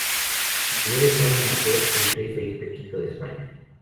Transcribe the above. Su primer hermano mayor el Rey Felipe V de España.